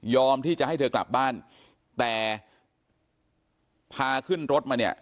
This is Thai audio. ที่จะให้เธอกลับบ้านแต่พาขึ้นรถมาเนี่ย